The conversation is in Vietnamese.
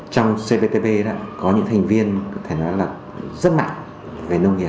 trong cptpp có những thành viên có thể nói là rất mạnh về nông nghiệp